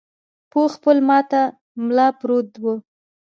پوخ پل ماته ملا پروت و.